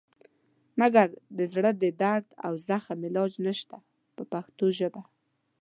مګر د زړه د درد او زخم علاج نشته په پښتو ژبه.